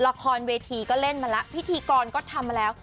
ละครเวทีก็เล่นมาแล้วพิธีกรก็ทำมาแล้ว